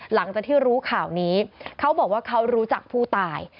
หลังจากที่รู้ข่าวนี้เขาบอกว่าเขารู้จักผู้ตาย